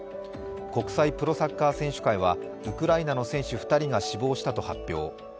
国際プロサッカー選手会はウクライナの選手２人が死亡したと発表。